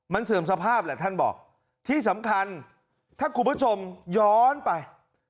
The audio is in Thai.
มันเสื่อมสภาพแหละท่านบอกที่สำคัญถ้าคุณผู้ชมย้อนไป